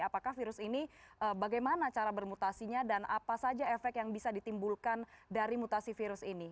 apakah virus ini bagaimana cara bermutasinya dan apa saja efek yang bisa ditimbulkan dari mutasi virus ini